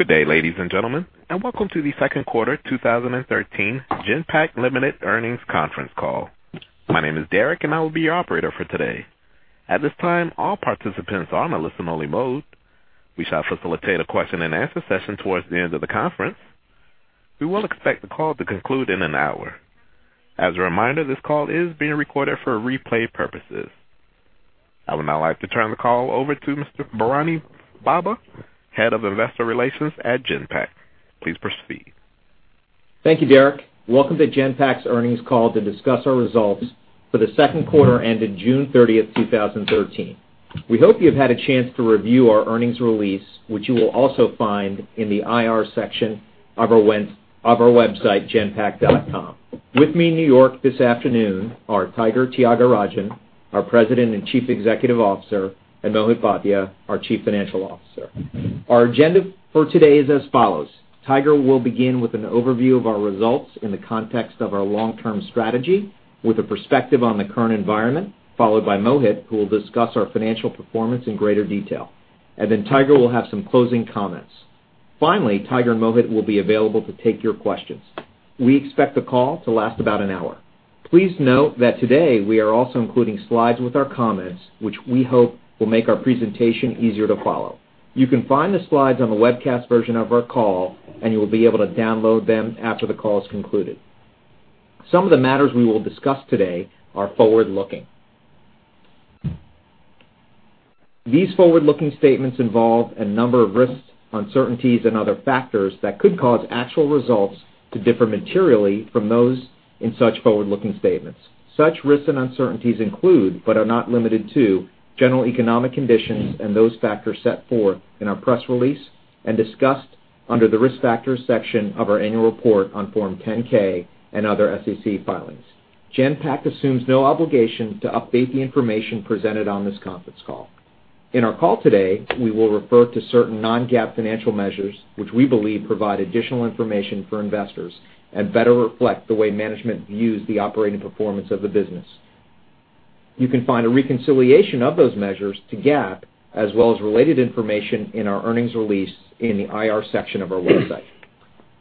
Good day, ladies and gentlemen, welcome to the second quarter 2013 Genpact Limited earnings conference call. My name is Derek and I will be your operator for today. At this time, all participants are in a listen-only mode. We shall facilitate a question-and-answer session towards the end of the conference. We will expect the call to conclude in an hour. As a reminder, this call is being recorded for replay purposes. I would now like to turn the call over to Mr. Bikram Singh, Head of Investor Relations at Genpact. Please proceed. Thank you, Derek. Welcome to Genpact's earnings call to discuss our results for the second quarter ended June 30, 2013. We hope you have had a chance to review our earnings release, which you will also find in the IR section of our website, genpact.com. With me in New York this afternoon are N.V. Tyagarajan, our President and Chief Executive Officer, and Mohit Bhatia, our Chief Financial Officer. Our agenda for today is as follows. Tiger will begin with an overview of our results in the context of our long-term strategy, with a perspective on the current environment, followed by Mohit, who will discuss our financial performance in greater detail. Tiger will have some closing comments. Finally, Tiger and Mohit will be available to take your questions. We expect the call to last about an hour. Please note that today we are also including slides with our comments, which we hope will make our presentation easier to follow. You can find the slides on the webcast version of our call. You will be able to download them after the call is concluded. Some of the matters we will discuss today are forward-looking. These forward-looking statements involve a number of risks, uncertainties, and other factors that could cause actual results to differ materially from those in such forward-looking statements. Such risks and uncertainties include, but are not limited to general economic conditions and those factors set forth in our press release and discussed under the Risk Factors section of our annual report on Form 10-K and other SEC filings. Genpact assumes no obligation to update the information presented on this conference call. In our call today, we will refer to certain non-GAAP financial measures, which we believe provide additional information for investors and better reflect the way management views the operating performance of the business. You can find a reconciliation of those measures to GAAP, as well as related information in our earnings release in the IR section of our website,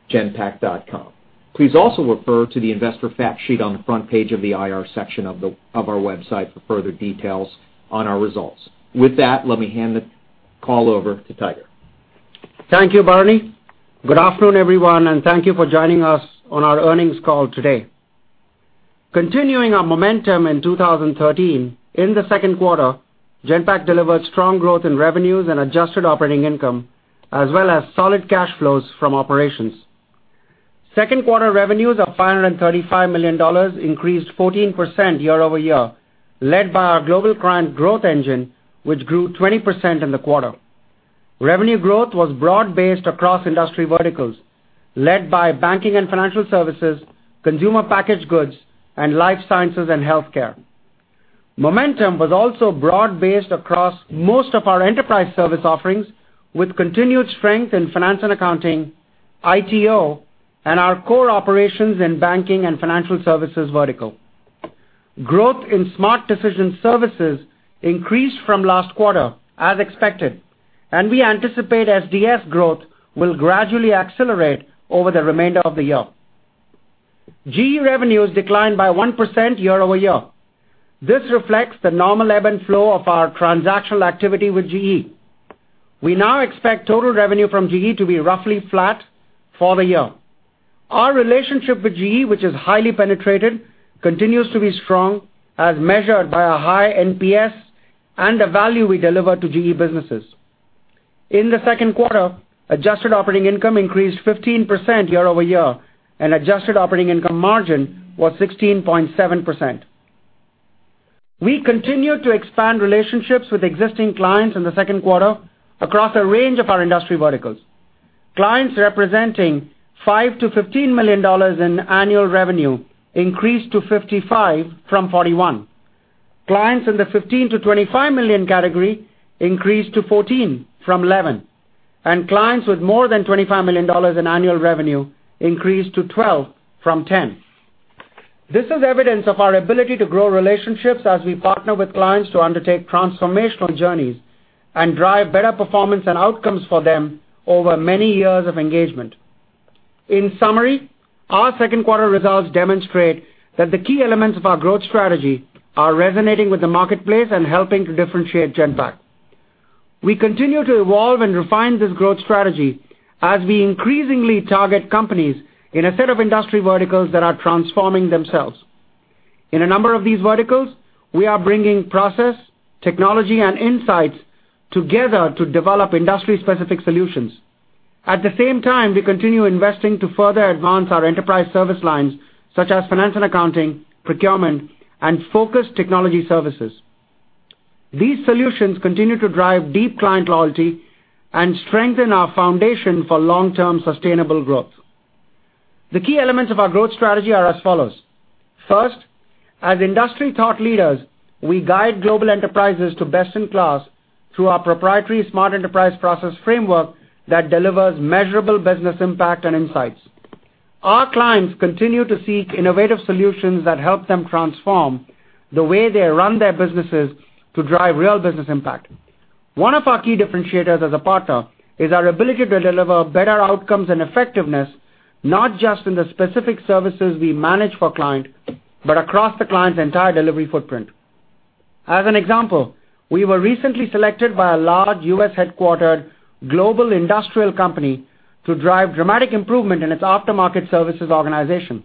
genpact.com. Please also refer to the investor fact sheet on the front page of the IR section of our website for further details on our results. With that, let me hand the call over to Tiger. Thank you, Bikram. Good afternoon, everyone, and thank you for joining us on our earnings call today. Continuing our momentum in 2013, in the second quarter, Genpact delivered strong growth in revenues and adjusted operating income, as well as solid cash flows from operations. Second quarter revenues of $535 million increased 14% year-over-year, led by our global current growth engine, which grew 20% in the quarter. Revenue growth was broad-based across industry verticals, led by banking and financial services, consumer packaged goods, and life sciences and healthcare. Momentum was also broad-based across most of our enterprise service offerings, with continued strength in finance and accounting, ITO, and our core operations in banking and financial services vertical. Growth in Smart Decision Services increased from last quarter as expected, and we anticipate SDS growth will gradually accelerate over the remainder of the year. GE revenues declined by 1% year-over-year. This reflects the normal ebb and flow of our transactional activity with GE. We now expect total revenue from GE to be roughly flat for the year. Our relationship with GE, which is highly penetrated, continues to be strong, as measured by a high NPS and the value we deliver to GE businesses. In the second quarter, adjusted operating income increased 15% year-over-year, and adjusted operating income margin was 16.7%. We continued to expand relationships with existing clients in the second quarter across a range of our industry verticals. Clients representing $5 million-$15 million in annual revenue increased to 55 from 41. Clients in the $15 million-$25 million category increased to 14 from 11, and clients with more than $25 million in annual revenue increased to 12 from 10. This is evidence of our ability to grow relationships as we partner with clients to undertake transformational journeys and drive better performance and outcomes for them over many years of engagement. In summary, our second quarter results demonstrate that the key elements of our growth strategy are resonating with the marketplace and helping to differentiate Genpact. We continue to evolve and refine this growth strategy as we increasingly target companies in a set of industry verticals that are transforming themselves. In a number of these verticals, we are bringing process, technology, and insights together to develop industry specific solutions. At the same time, we continue investing to further advance our enterprise service lines, such as finance and accounting, procurement, and focused technology services. These solutions continue to drive deep client loyalty and strengthen our foundation for long-term sustainable growth. The key elements of our growth strategy are as follows. First, as industry thought leaders, we guide global enterprises to best in class through our proprietary Smart Enterprise Processes framework that delivers measurable business impact and insights. Our clients continue to seek innovative solutions that help them transform the way they run their businesses to drive real business impact. One of our key differentiators as a partner is our ability to deliver better outcomes and effectiveness, not just in the specific services we manage for client, but across the client's entire delivery footprint. As an example, we were recently selected by a large U.S.-headquartered global industrial company to drive dramatic improvement in its aftermarket services organization.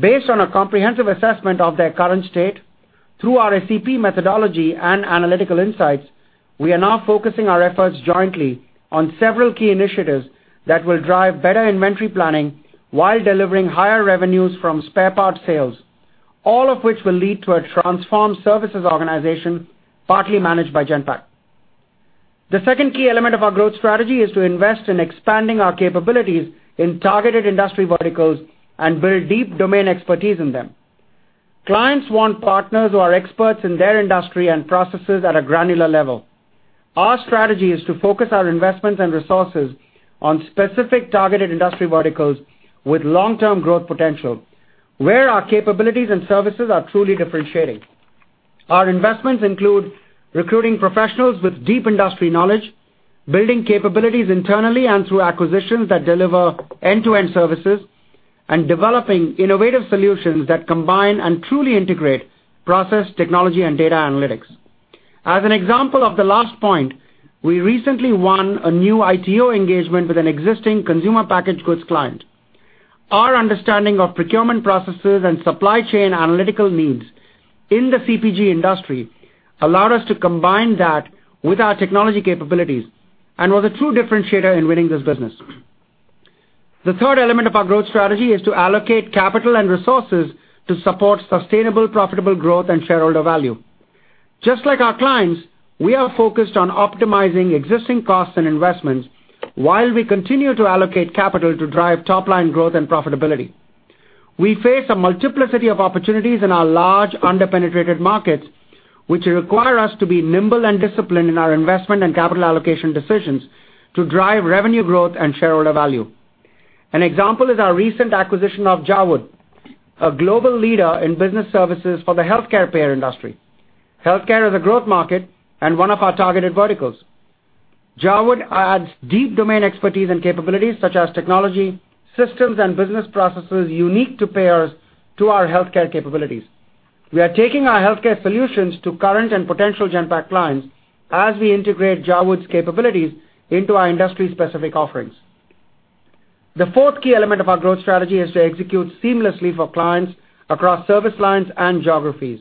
Based on a comprehensive assessment of their current state, through our ACP methodology and analytical insights, we are now focusing our efforts jointly on several key initiatives that will drive better inventory planning while delivering higher revenues from spare parts sales, all of which will lead to a transformed services organization, partly managed by Genpact. The second key element of our growth strategy is to invest in expanding our capabilities in targeted industry verticals and build deep domain expertise in them. Clients want partners who are experts in their industry and processes at a granular level. Our strategy is to focus our investments and resources on specific targeted industry verticals with long-term growth potential, where our capabilities and services are truly differentiating. Our investments include recruiting professionals with deep industry knowledge, building capabilities internally and through acquisitions that deliver end-to-end services, and developing innovative solutions that combine and truly integrate process, technology, and data analytics. As an example of the last point, we recently won a new ITO engagement with an existing consumer packaged goods client. Our understanding of procurement processes and supply chain analytical needs in the CPG industry allowed us to combine that with our technology capabilities and was a true differentiator in winning this business. The third element of our growth strategy is to allocate capital and resources to support sustainable, profitable growth and shareholder value. Just like our clients, we are focused on optimizing existing costs and investments while we continue to allocate capital to drive top-line growth and profitability. We face a multiplicity of opportunities in our large under-penetrated markets, which require us to be nimble and disciplined in our investment and capital allocation decisions to drive revenue growth and shareholder value. An example is our recent acquisition of JAWOOD, a global leader in business services for the healthcare payer industry. Healthcare is a growth market and one of our targeted verticals. JAWOOD adds deep domain expertise and capabilities such as technology, systems, and business processes unique to payers to our healthcare capabilities. We are taking our healthcare solutions to current and potential Genpact clients as we integrate JAWOOD's capabilities into our industry-specific offerings. The fourth key element of our growth strategy is to execute seamlessly for clients across service lines and geographies.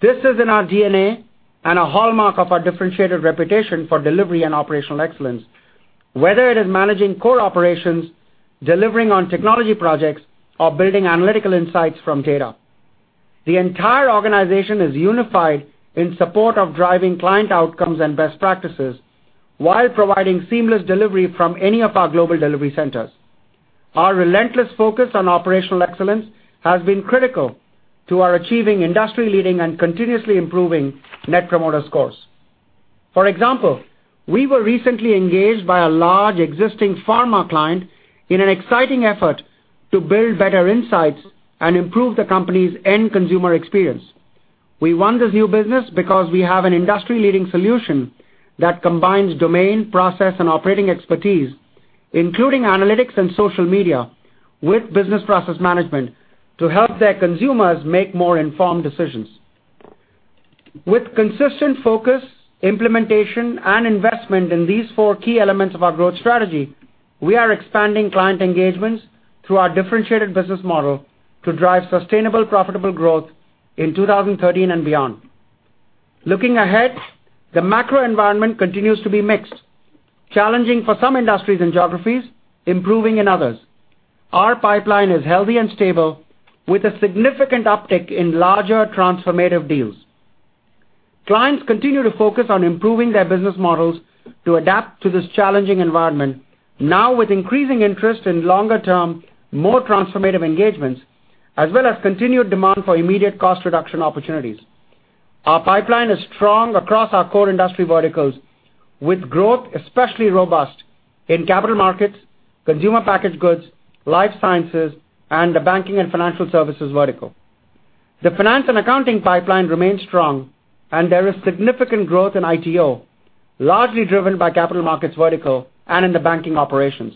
This is in our DNA and a hallmark of our differentiated reputation for delivery and operational excellence, whether it is managing core operations, delivering on technology projects, or building analytical insights from data. The entire organization is unified in support of driving client outcomes and best practices while providing seamless delivery from any of our global delivery centers. Our relentless focus on operational excellence has been critical to our achieving industry-leading and continuously improving Net Promoter Scores. For example, we were recently engaged by a large existing pharma client in an exciting effort to build better insights and improve the company's end consumer experience. We won this new business because we have an industry-leading solution that combines domain, process, and operating expertise, including analytics and social media with business process management to help their consumers make more informed decisions. With consistent focus, implementation, and investment in these four key elements of our growth strategy, we are expanding client engagements through our differentiated business model to drive sustainable, profitable growth in 2013 and beyond. Looking ahead, the macro environment continues to be mixed, challenging for some industries and geographies, improving in others. Our pipeline is healthy and stable with a significant uptick in larger transformative deals. Clients continue to focus on improving their business models to adapt to this challenging environment now with increasing interest in longer-term, more transformative engagements, as well as continued demand for immediate cost reduction opportunities. Our pipeline is strong across our core industry verticals, with growth especially robust in capital markets, consumer packaged goods, life sciences, and the banking and financial services vertical. There is significant growth in ITO, largely driven by capital markets vertical and in the banking operations.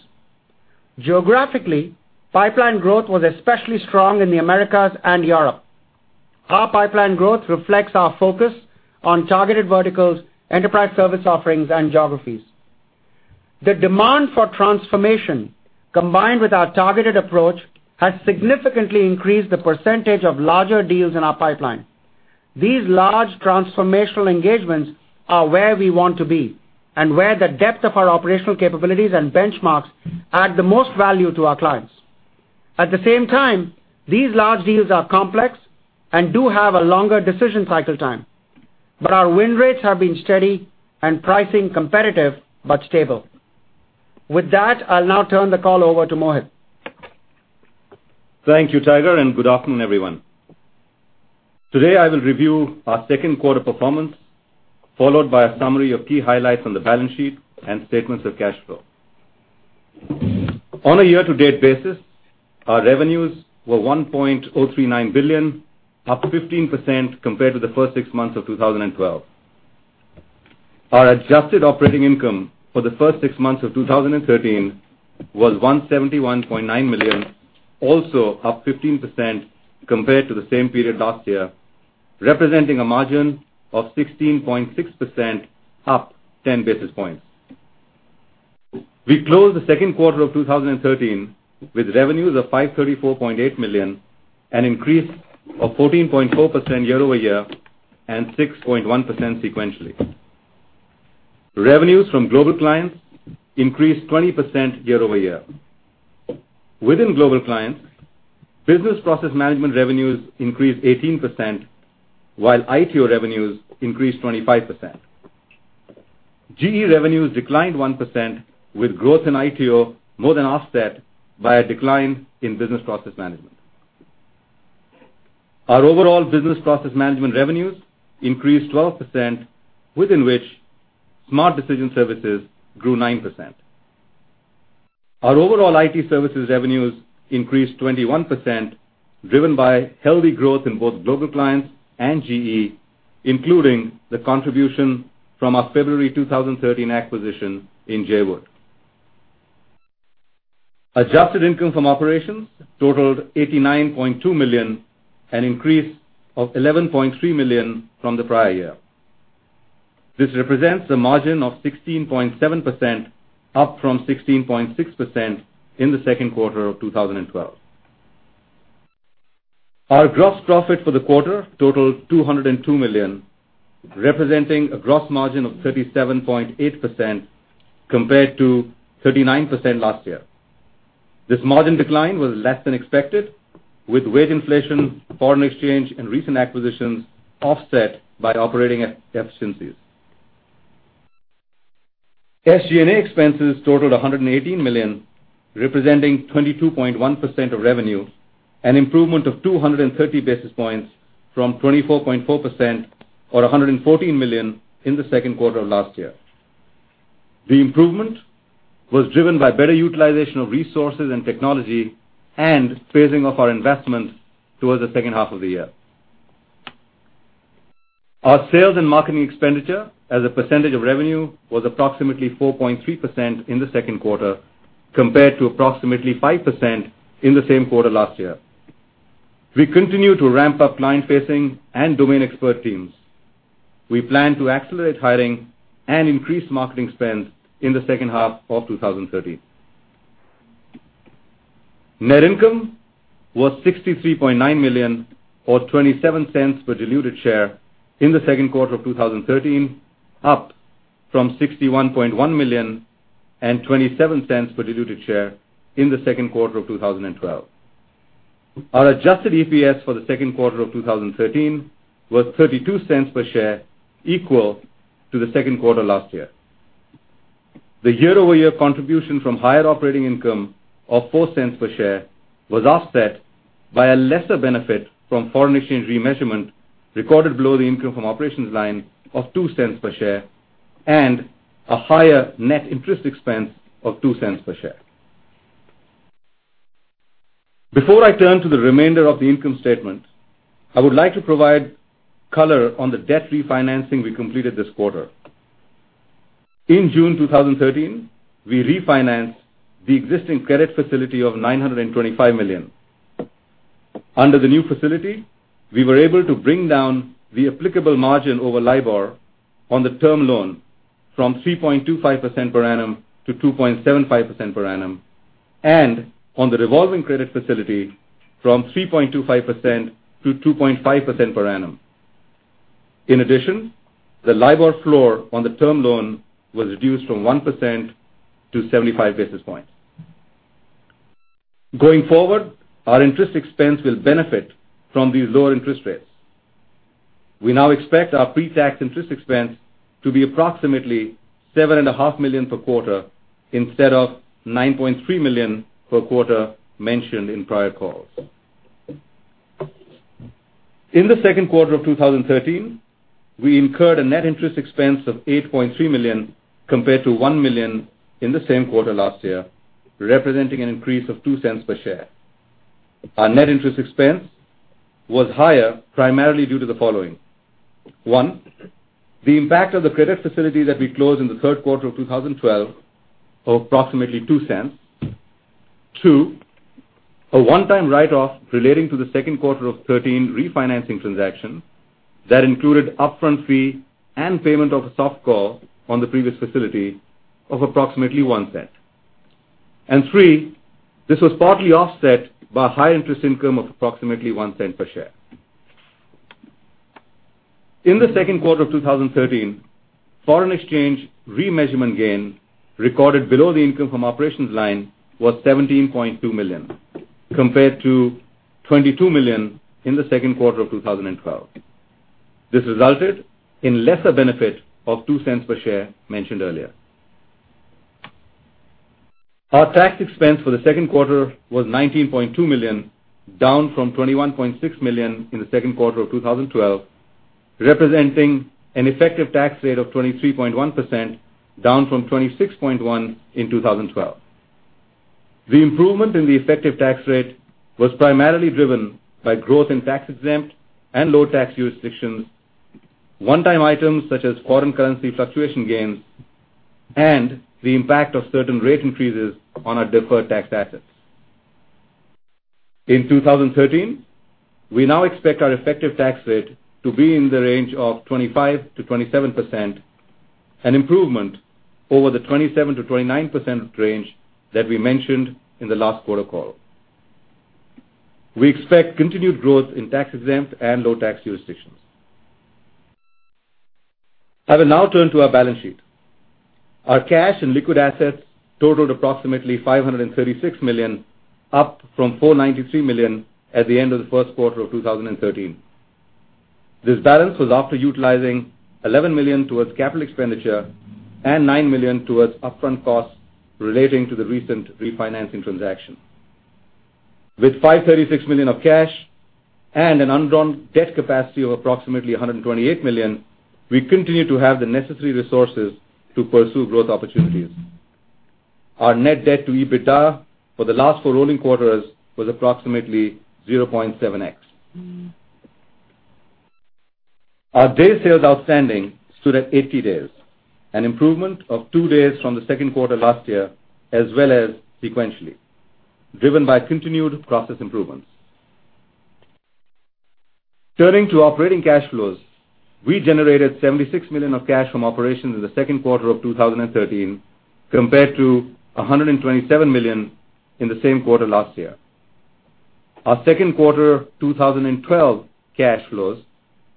Geographically, pipeline growth was especially strong in the Americas and Europe. Our pipeline growth reflects our focus on targeted verticals, enterprise service offerings, and geographies. The demand for transformation, combined with our targeted approach, has significantly increased the percentage of larger deals in our pipeline. These large transformational engagements are where we want to be and where the depth of our operational capabilities and benchmarks add the most value to our clients. At the same time, these large deals are complex and do have a longer decision cycle time, but our win rates have been steady and pricing competitive but stable. With that, I'll now turn the call over to Mohit. Thank you, Tiger. Good afternoon, everyone. Today, I will review our second quarter performance, followed by a summary of key highlights on the balance sheet and statements of cash flow. On a year-to-date basis, our revenues were $1.039 billion, up 15% compared to the first six months of 2012. Our adjusted operating income for the first six months of 2013 was $171.9 million, also up 15% compared to the same period last year, representing a margin of 16.6% up 10 basis points. We closed the second quarter of 2013 with revenues of $534.8 million, an increase of 14.4% year-over-year and 6.1% sequentially. Revenues from global clients increased 20% year-over-year. Within global clients, business process management revenues increased 18%, while ITO revenues increased 25%. GE revenues declined 1%, with growth in ITO more than offset by a decline in business process management. Our overall business process management revenues increased 12%, within which Smart Decision Services grew 9%. Our overall IT services revenues increased 21%, driven by healthy growth in both global clients and GE, including the contribution from our February 2013 acquisition in JAWOOD. Adjusted income from operations totaled $89.2 million, an increase of $11.3 million from the prior year. This represents a margin of 16.7%, up from 16.6% in the second quarter of 2012. Our gross profit for the quarter totaled $202 million, representing a gross margin of 37.8% compared to 39% last year. This margin decline was less than expected, with wage inflation, foreign exchange, and recent acquisitions offset by operating efficiencies. SG&A expenses totaled $118 million, representing 22.1% of revenue, an improvement of 230 basis points from 24.4%, or $114 million in the second quarter of last year. The improvement was driven by better utilization of resources and technology and phasing of our investments towards the second half of the year. Our sales and marketing expenditure as a percentage of revenue was approximately 4.3% in the second quarter, compared to approximately 5% in the same quarter last year. We continue to ramp up client-facing and domain expert teams. We plan to accelerate hiring and increase marketing spend in the second half of 2013. Net income was $63.9 million, or $0.27 per diluted share in the second quarter of 2013, up from $61.1 million and $0.27 per diluted share in the second quarter of 2012. Our adjusted EPS for the second quarter of 2013 was $0.32 per share, equal to the second quarter last year. The year-over-year contribution from higher operating income of $0.04 per share was offset by a lesser benefit from foreign exchange remeasurement recorded below the income from operations line of $0.02 per share, and a higher net interest expense of $0.02 per share. Before I turn to the remainder of the income statement, I would like to provide color on the debt refinancing we completed this quarter. In June 2013, we refinanced the existing credit facility of $925 million. Under the new facility, we were able to bring down the applicable margin over LIBOR on the term loan from 3.25% per annum to 2.75% per annum, and on the revolving credit facility from 3.25% to 2.50% per annum. In addition, the LIBOR floor on the term loan was reduced from 1% to 75 basis points. Going forward, our interest expense will benefit from these lower interest rates. We now expect our pre-tax interest expense to be approximately $7.5 million per quarter instead of $9.3 million per quarter mentioned in prior calls. In the second quarter of 2013, we incurred a net interest expense of $8.3 million, compared to $1 million in the same quarter last year, representing an increase of $0.02 per share. Our net interest expense was higher, primarily due to the following. One, the impact of the credit facility that we closed in the third quarter of 2012 of approximately $0.02. Two, a one-time write-off relating to the second quarter of 2013 refinancing transaction that included upfront fee and payment of a soft call on the previous facility of approximately $0.01. Three, this was partly offset by high interest income of approximately $0.01 per share. In the second quarter of 2013, foreign exchange remeasurement gain recorded below the income from operations line was $17.2 million, compared to $22 million in the second quarter of 2012. This resulted in lesser benefit of $0.02 per share mentioned earlier. Our tax expense for the second quarter was $19.2 million, down from $21.6 million in the second quarter of 2012, representing an effective tax rate of 23.1%, down from 26.1% in 2012. The improvement in the effective tax rate was primarily driven by growth in tax-exempt and low-tax jurisdictions, one-time items such as foreign currency fluctuation gains, and the impact of certain rate increases on our deferred tax assets. In 2013, we now expect our effective tax rate to be in the range of 25%-27%, an improvement over the 27%-29% range that we mentioned in the last quarter call. We expect continued growth in tax-exempt and low-tax jurisdictions. I will now turn to our balance sheet. Our cash and liquid assets totaled approximately $536 million, up from $493 million at the end of the first quarter of 2013. This balance was after utilizing $11 million towards capital expenditure and $9 million towards upfront costs relating to the recent refinancing transaction. With $536 million of cash and an undrawn debt capacity of approximately $128 million, we continue to have the necessary resources to pursue growth opportunities. Our net debt to EBITDA for the last four rolling quarters was approximately 0.7x. Our days sales outstanding stood at 80 days, an improvement of two days from the second quarter last year, as well as sequentially, driven by continued process improvements. Turning to operating cash flows, we generated $76 million of cash from operations in the second quarter of 2013 compared to $127 million in the same quarter last year. Our second quarter 2012 cash flows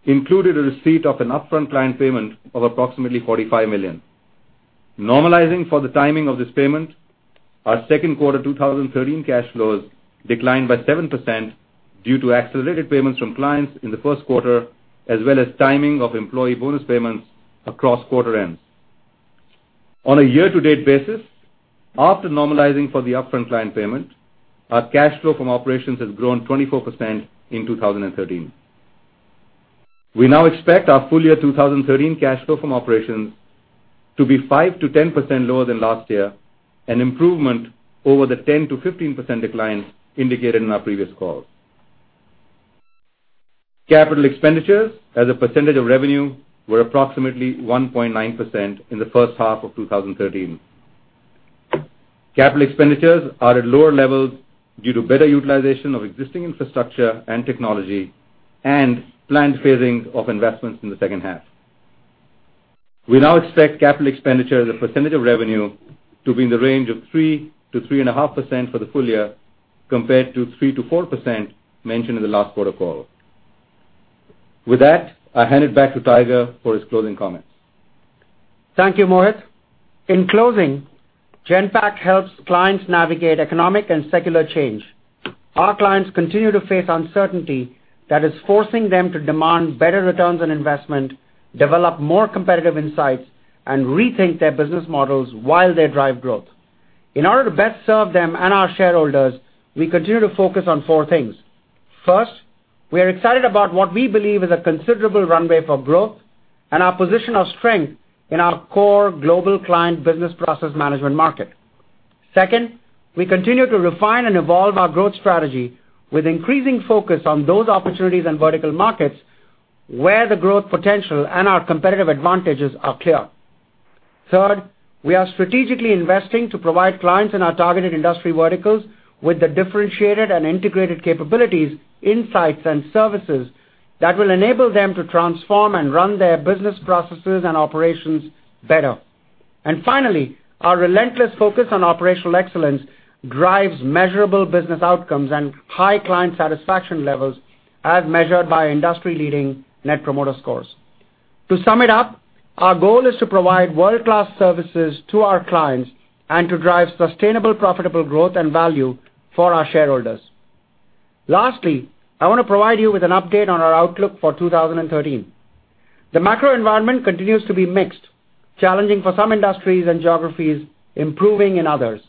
included a receipt of an upfront client payment of approximately $45 million. Normalizing for the timing of this payment, our second quarter 2013 cash flows declined by 7% due to accelerated payments from clients in the first quarter, as well as timing of employee bonus payments across quarter ends. On a year-to-date basis, after normalizing for the upfront client payment, our cash flow from operations has grown 24% in 2013. We now expect our full year 2013 cash flow from operations to be 5%-10% lower than last year, an improvement over the 10%-15% decline indicated in our previous calls. Capital expenditures as a percentage of revenue were approximately 1.9% in the first half of 2013. Capital expenditures are at lower levels due to better utilization of existing infrastructure and technology and planned phasing of investments in the second half. We now expect capital expenditure as a percentage of revenue to be in the range of 3%-3.5% for the full year, compared to 3%-4% mentioned in the last quarter call. With that, I hand it back to Tiger for his closing comments. Thank you, Mohit. In closing, Genpact helps clients navigate economic and secular change. Our clients continue to face uncertainty that is forcing them to demand better returns on investment, develop more competitive insights, and rethink their business models while they drive growth. In order to best serve them and our shareholders, we continue to focus on four things. First, we are excited about what we believe is a considerable runway for growth and our position of strength in our core global client business process management market. Second, we continue to refine and evolve our growth strategy with increasing focus on those opportunities in vertical markets where the growth potential and our competitive advantages are clear. Third, we are strategically investing to provide clients in our targeted industry verticals with the differentiated and integrated capabilities, insights, and services that will enable them to transform and run their business processes and operations better. Finally, our relentless focus on operational excellence drives measurable business outcomes and high client satisfaction levels as measured by industry-leading Net Promoter Score. To sum it up, our goal is to provide world-class services to our clients and to drive sustainable, profitable growth and value for our shareholders. Lastly, I want to provide you with an update on our outlook for 2013. The macro environment continues to be mixed, challenging for some industries and geographies, improving in others.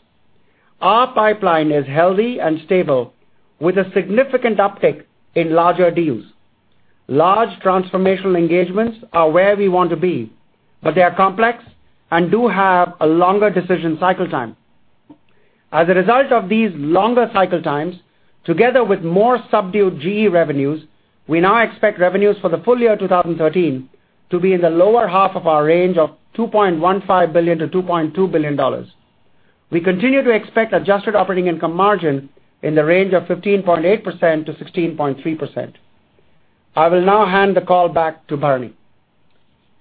Our pipeline is healthy and stable with a significant uptick in larger deals. Large transformational engagements are where we want to be, but they are complex and do have a longer decision cycle time. As a result of these longer cycle times, together with more subdued GE revenues, we now expect revenues for the full year 2013 to be in the lower half of our range of $2.15 billion-$2.2 billion. We continue to expect adjusted operating income margin in the range of 15.8%-16.3%. I will now hand the call back to Bikram.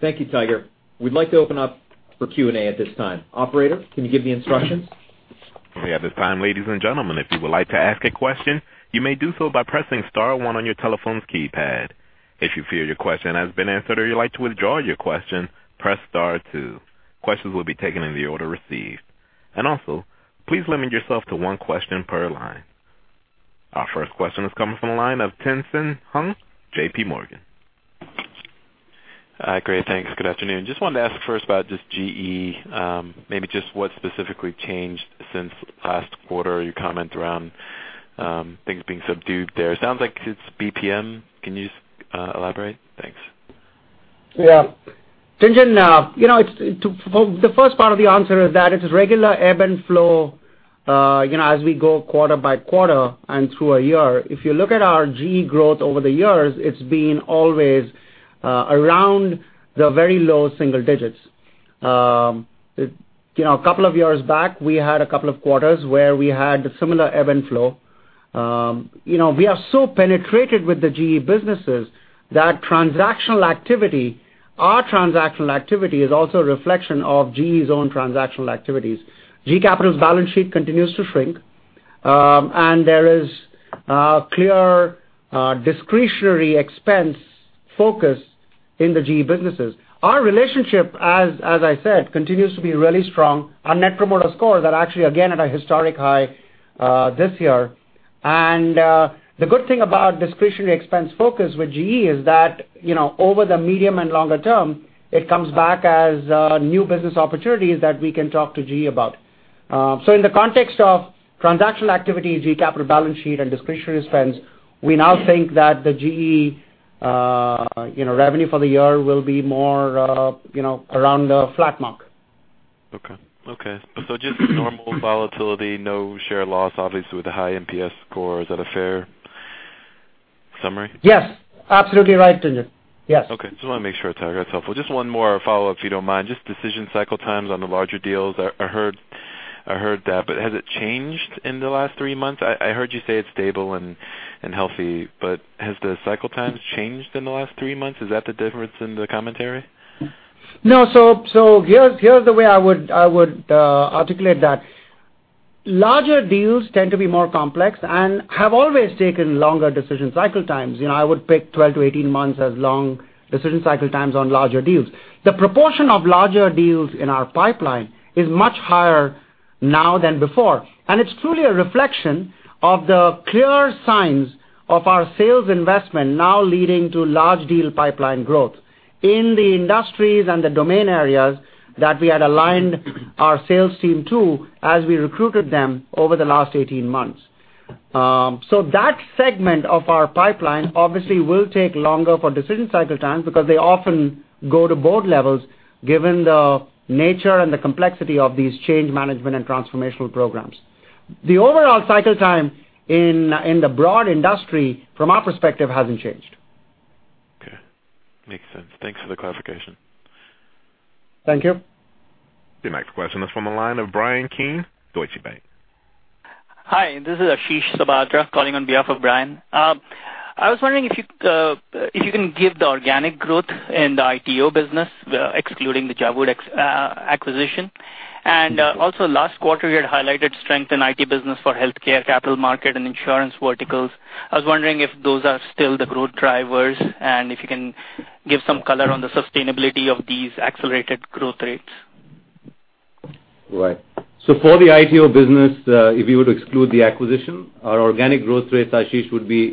Thank you, Tiger. We'd like to open up for Q&A at this time. Operator, can you give the instructions? At this time, ladies and gentlemen, if you would like to ask a question, you may do so by pressing *1 on your telephone's keypad. If you feel your question has been answered or you'd like to withdraw your question, press *2. Questions will be taken in the order received. Also, please limit yourself to one question per line. Our first question is coming from the line of Tien-Tsin Huang, J.P. Morgan. Hi, great. Thanks. Good afternoon. Just wanted to ask first about just GE, maybe just what specifically changed since last quarter, your comment around things being subdued there. It sounds like it's BPM. Can you just elaborate? Thanks. Yeah. Tien-Tsin, the first part of the answer is that it's regular ebb and flow as we go quarter by quarter and through a year. If you look at our GE growth over the years, it's been always around the very low single digits. A couple of years back, we had a couple of quarters where we had similar ebb and flow. We are so penetrated with the GE businesses that our transactional activity is also a reflection of GE's own transactional activities. GE Capital's balance sheet continues to shrink, and there is clear discretionary expense focus in the GE businesses. Our relationship, as I said, continues to be really strong. Our Net Promoter Score are actually again at a historic high this year. The good thing about discretionary expense focus with GE is that, over the medium and longer term, it comes back as new business opportunities that we can talk to GE about. In the context of transactional activity, GE Capital balance sheet, and discretionary spends, we now think that the GE revenue for the year will be more around the flat mark. Okay. Just normal volatility, no share loss, obviously, with a high NPS score. Is that a fair summary? Yes. Absolutely right, Tien-Tsin. Yes. Okay. Just want to make sure, Tiger. That's helpful. Just one more follow-up, if you don't mind. Just decision cycle times on the larger deals. I heard that, has it changed in the last three months? I heard you say it's stable and healthy, has the cycle times changed in the last three months? Is that the difference in the commentary? No, here's the way I would articulate that. Larger deals tend to be more complex and have always taken longer decision cycle times. I would pick 12-18 months as long decision cycle times on larger deals. The proportion of larger deals in our pipeline is much higher now than before, and it's truly a reflection of the clear signs of our sales investment now leading to large deal pipeline growth in the industries and the domain areas that we had aligned our sales team to as we recruited them over the last 18 months. That segment of our pipeline obviously will take longer for decision cycle times because they often go to board levels given the nature and the complexity of these change management and transformational programs. The overall cycle time in the broad industry, from our perspective, hasn't changed. Okay. Makes sense. Thanks for the clarification. Thank you. The next question is from the line of Bryan Keane, Deutsche Bank. Hi, this is Ashish Sabadra calling on behalf of Bryan. I was wondering if you can give the organic growth in the ITO business, excluding the JAWOOD acquisition. Also last quarter, you had highlighted strength in IT business for healthcare, capital market, and insurance verticals. I was wondering if those are still the growth drivers, and if you can give some color on the sustainability of these accelerated growth rates. Right. For the ITO business, if you were to exclude the acquisition, our organic growth rate, Ashish, would be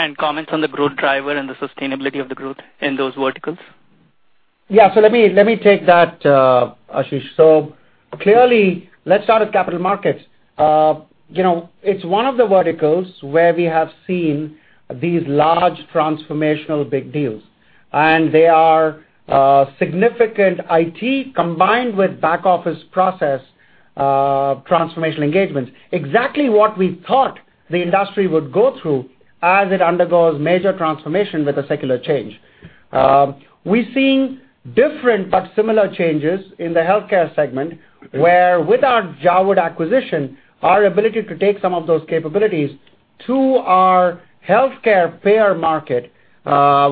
8%-9%. Comments on the growth driver and the sustainability of the growth in those verticals? Yeah. Let me take that, Ashish. Clearly, let's start with capital markets. It's one of the verticals where we have seen these large transformational big deals, and they are significant IT combined with back office process transformational engagements. Exactly what we thought the industry would go through as it undergoes major transformation with a secular change. We're seeing different but similar changes in the healthcare segment, where with our JAWOOD acquisition, our ability to take some of those capabilities to our healthcare payer market,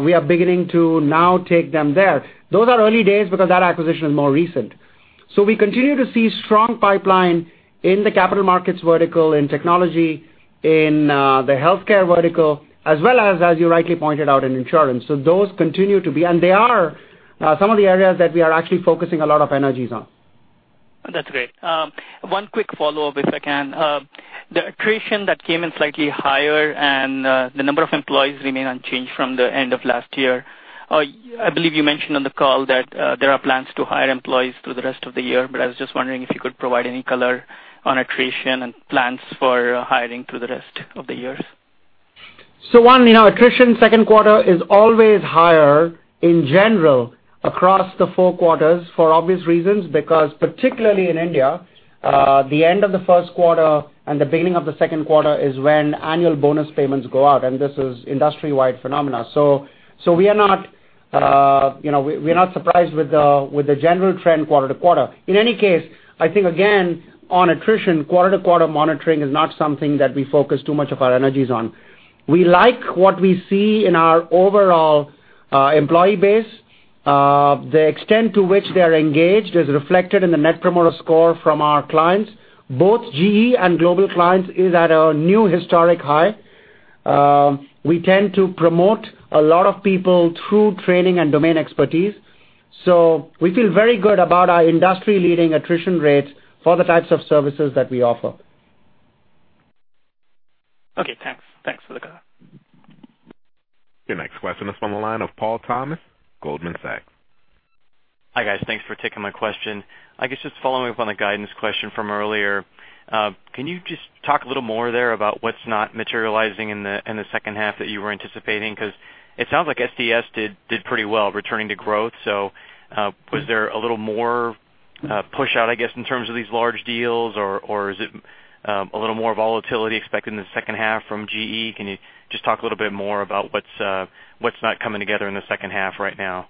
we are beginning to now take them there. Those are early days because that acquisition is more recent. We continue to see strong pipeline in the capital markets vertical, in technology, in the healthcare vertical, as well as you rightly pointed out, in insurance. Those continue to be, and they are some of the areas that we are actually focusing a lot of energies on. That's great. One quick follow-up, if I can. The attrition that came in slightly higher and the number of employees remain unchanged from the end of last year. I believe you mentioned on the call that there are plans to hire employees through the rest of the year, but I was just wondering if you could provide any color on attrition and plans for hiring through the rest of the years. One, attrition second quarter is always higher in general across the four quarters for obvious reasons, because particularly in India, the end of the first quarter and the beginning of the second quarter is when annual bonus payments go out, and this is industry-wide phenomena. We're not surprised with the general trend quarter-to-quarter. In any case, I think, again, on attrition, quarter-to-quarter monitoring is not something that we focus too much of our energies on. We like what we see in our overall employee base. The extent to which they're engaged is reflected in the Net Promoter Score from our clients. Both GE and global clients is at a new historic high. We tend to promote a lot of people through training and domain expertise. We feel very good about our industry-leading attrition rates for the types of services that we offer. Okay, thanks. Thanks, Tyagarajan. Your next question is from the line of Paul Thomas, Goldman Sachs. Hi, guys. Thanks for taking my question. I guess just following up on the guidance question from earlier, can you just talk a little more there about what's not materializing in the second half that you were anticipating? Because it sounds like SDS did pretty well returning to growth. Was there a little more, push out, I guess, in terms of these large deals, or is it a little more volatility expected in the second half from GE? Can you just talk a little bit more about what's not coming together in the second half right now?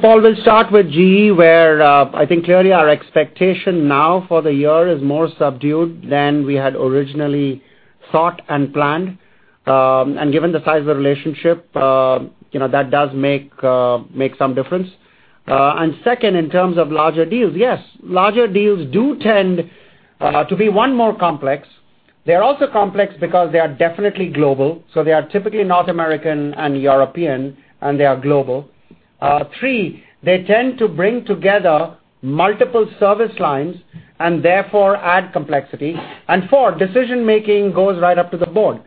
Paul, we'll start with GE, where I think clearly our expectation now for the year is more subdued than we had originally thought and planned. Given the size of the relationship, that does make some difference. Second, in terms of larger deals, yes, larger deals do tend to be, one, more complex. They're also complex because they are definitely global, so they are typically North American and European, and they are global. Three, they tend to bring together multiple service lines and therefore add complexity. Four, decision-making goes right up to the board.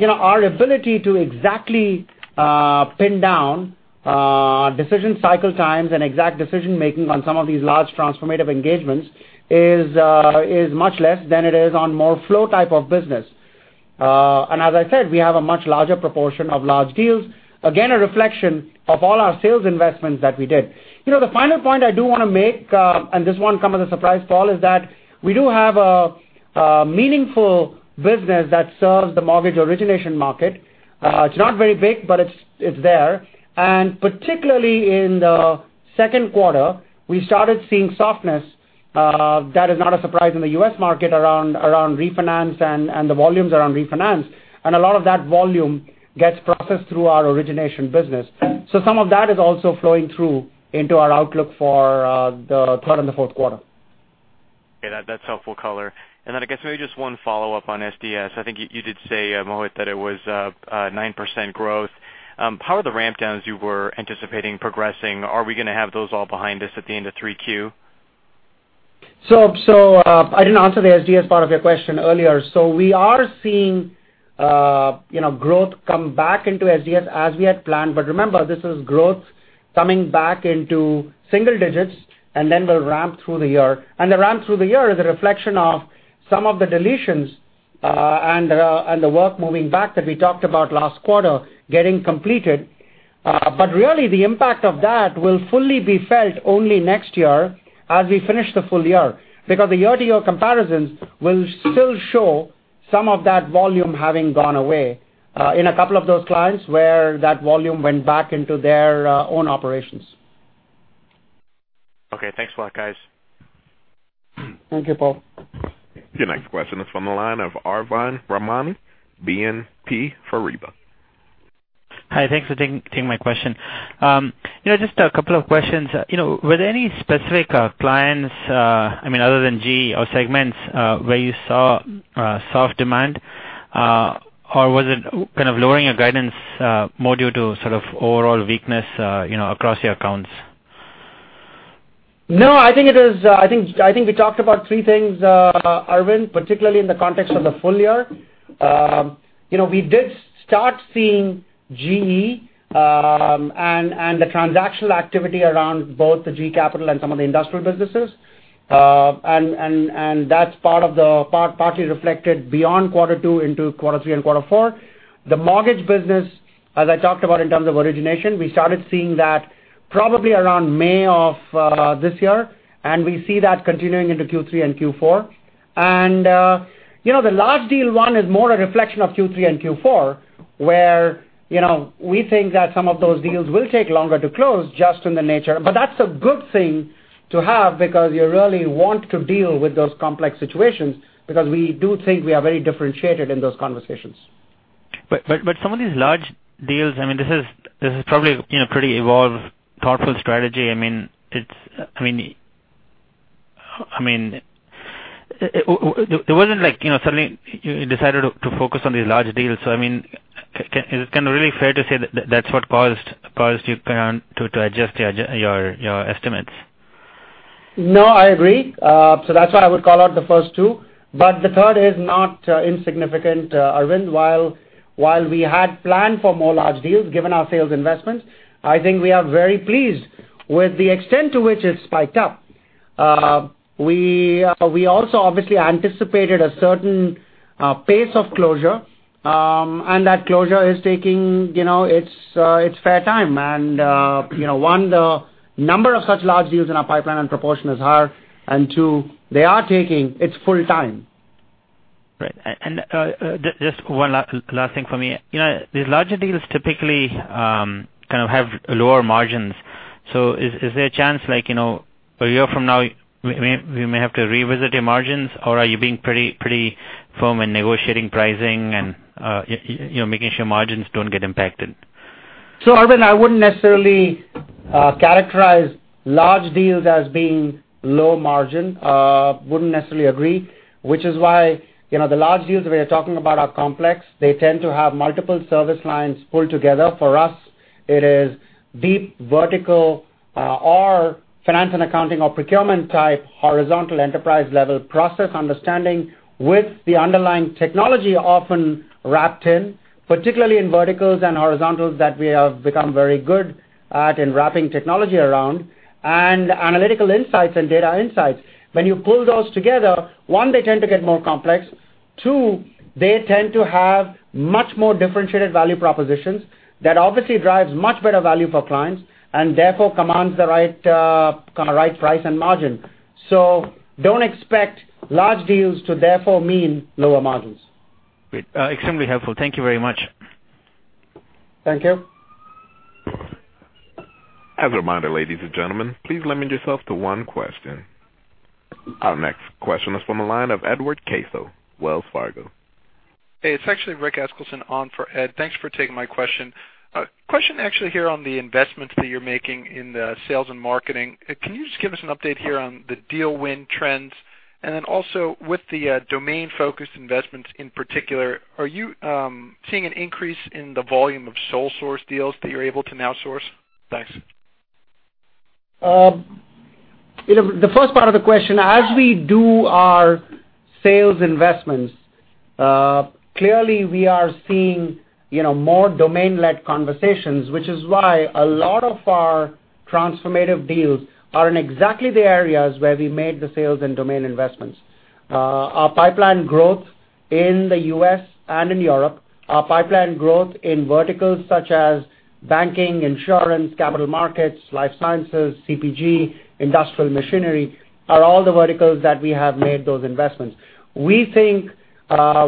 Our ability to exactly pin down decision cycle times and exact decision making on some of these large transformative engagements is much less than it is on more flow type of business. As I said, we have a much larger proportion of large deals. Again, a reflection of all our sales investments that we did. The final point I do want to make, and this won't come as a surprise, Paul, is that we do have a meaningful business that serves the mortgage origination market. It's not very big, but it's there. Particularly in the second quarter, we started seeing softness, that is not a surprise in the U.S. market around refinance and the volumes around refinance. A lot of that volume gets processed through our origination business. Some of that is also flowing through into our outlook for the third and the fourth quarter. Okay. That's helpful color. Then I guess maybe just one follow-up on SDS. I think you did say, Mohit, that it was 9% growth. How are the ramp downs you were anticipating progressing? Are we going to have those all behind us at the end of three Q? I didn't answer the SDS part of your question earlier. We are seeing growth come back into SDS as we had planned. Remember, this is growth coming back into single digits, then we'll ramp through the year. The ramp through the year is a reflection of some of the deletions, and the work moving back that we talked about last quarter getting completed. Really, the impact of that will fully be felt only next year as we finish the full year. Because the year-to-year comparisons will still show some of that volume having gone away, in a couple of those clients, where that volume went back into their own operations. Okay, thanks a lot, guys. Thank you, Paul. Your next question is from the line of Arvind Ramnani, BNP Paribas. Hi, thanks for taking my question. Just a couple of questions. Were there any specific clients, other than GE or segments, where you saw soft demand? Was it kind of lowering your guidance more due to sort of overall weakness across your accounts? I think we talked about three things, Arvind, particularly in the context of the full year. We did start seeing GE, and the transactional activity around both GE Capital and some of the industrial businesses. That's partly reflected beyond quarter two into quarter three and quarter four. The mortgage business, as I talked about in terms of origination, we started seeing that probably around May of this year, and we see that continuing into Q3 and Q4. The large deal one is more a reflection of Q3 and Q4, where we think that some of those deals will take longer to close just in the nature, that's a good thing to have because you really want to deal with those complex situations, because we do think we are very differentiated in those conversations. Some of these large deals, this is probably pretty evolved, powerful strategy. It wasn't like suddenly you decided to focus on these large deals. Is it really fair to say that's what caused you to adjust your estimates? I agree. That's why I would call out the first two, the third is not insignificant, Arvind. While we had planned for more large deals given our sales investments, I think we are very pleased with the extent to which it spiked up. We also obviously anticipated a certain pace of closure, that closure is taking its fair time. One, the number of such large deals in our pipeline and proportion is higher, two, they are taking its full time. Right. Just one last thing for me. These larger deals typically kind of have lower margins. Is there a chance a year from now, we may have to revisit your margins, are you being pretty firm in negotiating pricing and making sure margins don't get impacted? Arvind, I wouldn't necessarily characterize large deals as being low margin. Wouldn't necessarily agree, which is why the large deals we are talking about are complex. They tend to have multiple service lines pulled together. For us, it is deep vertical or finance and accounting or procurement-type, horizontal enterprise-level process understanding with the underlying technology often wrapped in, particularly in verticals and horizontals that we have become very good at in wrapping technology around, and analytical insights and data insights. When you pull those together, one, they tend to get more complex. Two, they tend to have much more differentiated value propositions that obviously drives much better value for clients, and therefore commands the right kind of price and margin. Don't expect large deals to therefore mean lower margins. Great. Extremely helpful. Thank you very much. Thank you. As a reminder, ladies and gentlemen, please limit yourself to one question. Our next question is from the line of Edward Caso, Wells Fargo. Hey, it's actually Rick Eskelsen on for Ed. Thanks for taking my question. Question actually here on the investments that you're making in the sales and marketing. Can you just give us an update here on the deal win trends, and then also with the domain-focused investments in particular, are you seeing an increase in the volume of sole source deals that you're able to now source? Thanks. The first part of the question, as we do our sales investments, clearly we are seeing more domain-led conversations, which is why a lot of our transformative deals are in exactly the areas where we made the sales and domain investments. Our pipeline growth in the U.S. and in Europe, our pipeline growth in verticals such as banking, insurance, capital markets, life sciences, CPG, industrial machinery, are all the verticals that we have made those investments. We think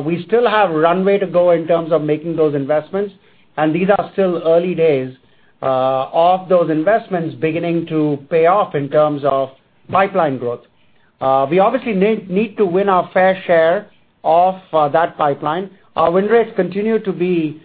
we still have runway to go in terms of making those investments, and these are still early days of those investments beginning to pay off in terms of pipeline growth. We obviously need to win our fair share of that pipeline. Our win rates continue to be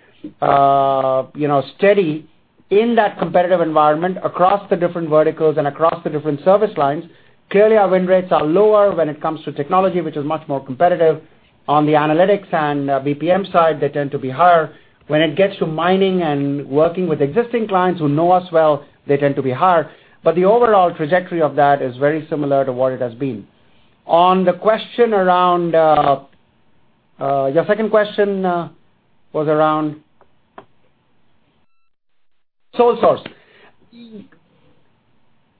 steady in that competitive environment across the different verticals and across the different service lines. Clearly, our win rates are lower when it comes to technology, which is much more competitive. On the analytics and BPM side, they tend to be higher. When it gets to mining and working with existing clients who know us well, they tend to be higher. The overall trajectory of that is very similar to what it has been. On the question around Your second question was around sole source.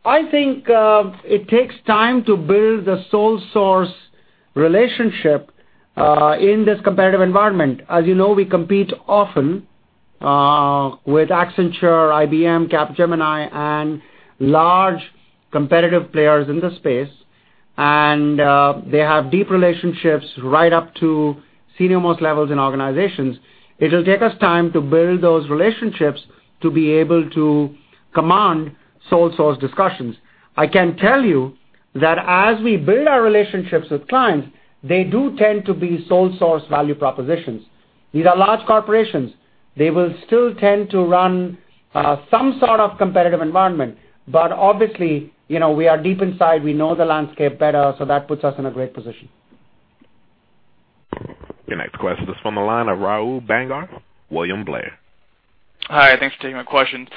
I think it takes time to build a sole source relationship in this competitive environment. As you know, we compete often with Accenture, IBM, Capgemini, and large competitive players in the space, and they have deep relationships right up to senior-most levels in organizations. It'll take us time to build those relationships to be able to command sole source discussions. I can tell you that as we build our relationships with clients, they do tend to be sole source value propositions. These are large corporations. They will still tend to run some sort of competitive environment. Obviously, we are deep inside. We know the landscape better, that puts us in a great position. Your next question is from the line of Rahul Bhangare, William Blair. Hi, thanks for taking my question.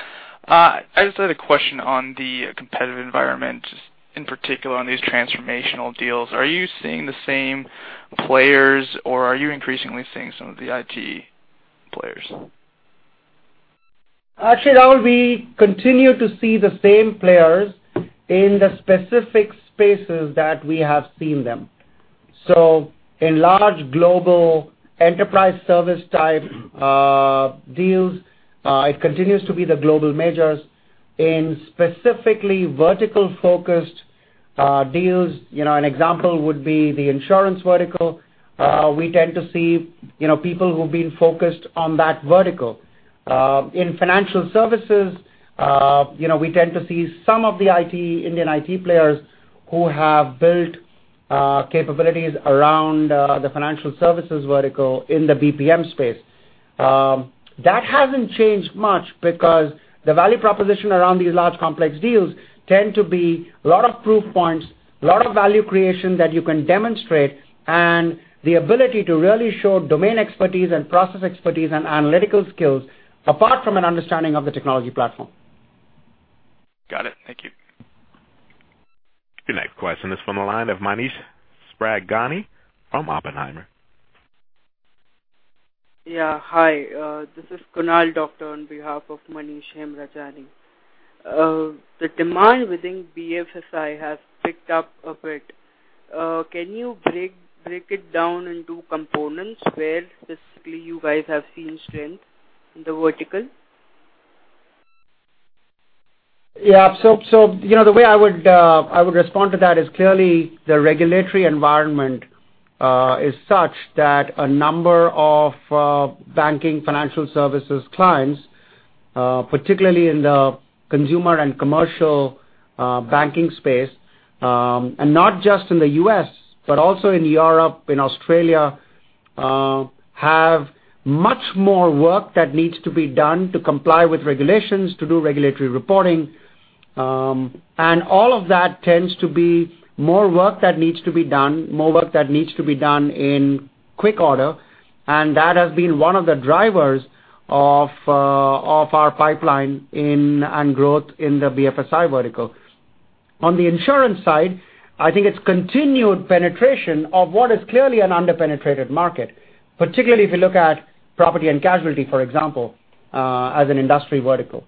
I just had a question on the competitive environment, in particular on these transformational deals. Are you seeing the same players or are you increasingly seeing some of the IT players? Rahul, we continue to see the same players in the specific spaces that we have seen them. In large global enterprise service-type deals, it continues to be the global majors. In specifically vertical-focused deals, an example would be the insurance vertical, we tend to see people who've been focused on that vertical. In financial services, we tend to see some of the Indian IT players who have built capabilities around the financial services vertical in the BPM space. That hasn't changed much because the value proposition around these large complex deals tend to be a lot of proof points, a lot of value creation that you can demonstrate, and the ability to really show domain expertise and process expertise and analytical skills apart from an understanding of the technology platform. Got it. Thank you. Your next question is from the line of Manish Hemrajani from Oppenheimer. Yeah. Hi, this is Kunal Doctor on behalf of Manish Hemrajani. The demand within BFSI has picked up a bit. Can you break it down into components where specifically you guys have seen strength in the vertical? Yeah. The way I would respond to that is clearly the regulatory environment is such that a number of banking financial services clients, particularly in the consumer and commercial banking space, and not just in the U.S., but also in Europe, in Australia Have much more work that needs to be done to comply with regulations, to do regulatory reporting. All of that tends to be more work that needs to be done, more work that needs to be done in quick order, and that has been one of the drivers of our pipeline and growth in the BFSI vertical. On the insurance side, I think it's continued penetration of what is clearly an under-penetrated market, particularly if you look at property and casualty, for example, as an industry vertical.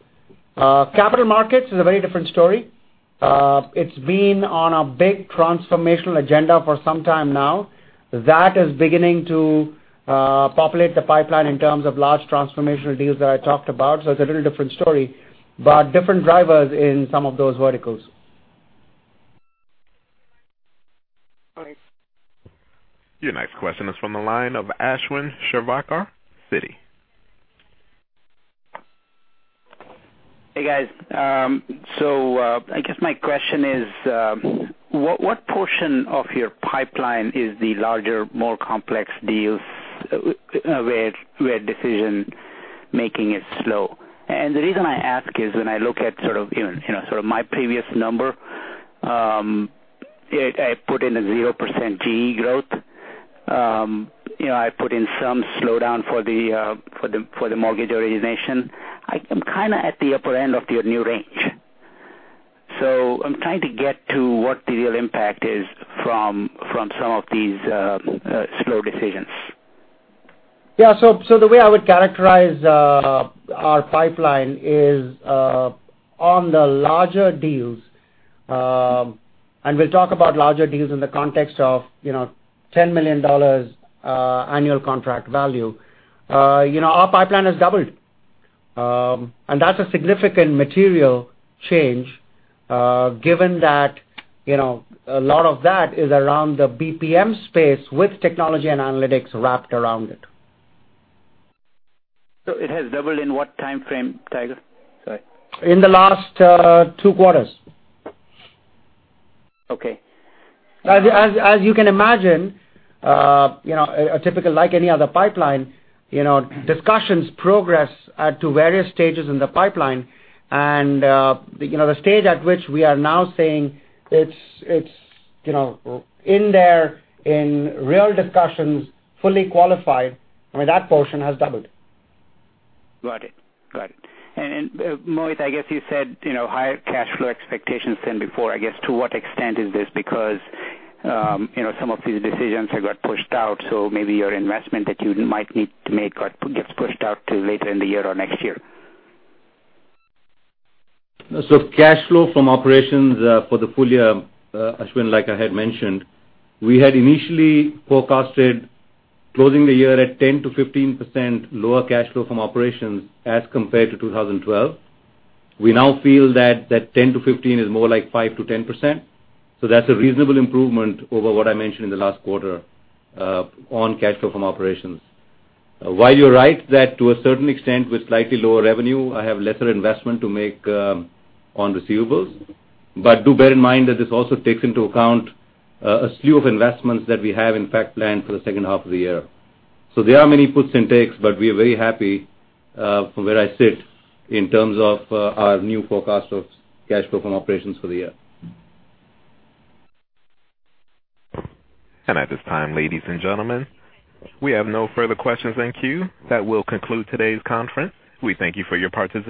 Capital markets is a very different story. It's been on a big transformational agenda for some time now. That is beginning to populate the pipeline in terms of large transformational deals that I talked about. It's a little different story, but different drivers in some of those verticals. All right. Your next question is from the line of Ashwin Shirvaikar, Citi. Hey, guys. I guess my question is, what portion of your pipeline is the larger, more complex deals where decision-making is slow? The reason I ask is when I look at sort of my previous number, I put in a 0% GE growth. I put in some slowdown for the mortgage origination. I'm kind of at the upper end of your new range. I'm trying to get to what the real impact is from some of these slow decisions. The way I would characterize our pipeline is on the larger deals, and we'll talk about larger deals in the context of $10 million annual contract value. Our pipeline has doubled, and that's a significant material change, given that a lot of that is around the BPM space with technology and analytics wrapped around it. It has doubled in what timeframe, Tiger? Sorry. In the last two quarters. Okay. You can imagine, typical like any other pipeline, discussions progress to various stages in the pipeline and the stage at which we are now saying it's in there in real discussions, fully qualified. I mean, that portion has doubled. Got it. Mohit, I guess you said higher cash flow expectations than before. I guess to what extent is this? Because some of these decisions have got pushed out, so maybe your investment that you might need to make gets pushed out to later in the year or next year. Cash flow from operations for the full year, Ashwin, like I had mentioned, we had initially forecasted closing the year at 10%-15% lower cash flow from operations as compared to 2012. We now feel that that 10-15 is more like 5%-10%, that's a reasonable improvement over what I mentioned in the last quarter on cash flow from operations. While you're right that to a certain extent with slightly lower revenue, I have lesser investment to make on receivables. Do bear in mind that this also takes into account a slew of investments that we have in fact planned for the second half of the year. There are many puts and takes, but we are very happy from where I sit in terms of our new forecast of cash flow from operations for the year. At this time, ladies and gentlemen, we have no further questions in queue. That will conclude today's conference. We thank you for your participation.